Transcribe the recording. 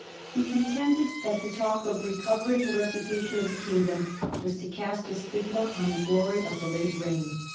He contended that to talk of * re covering ' the reputation of the kingdom was to cast a stigma on the glory of the late reign.